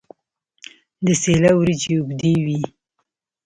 د سیله وریجې اوږدې وي.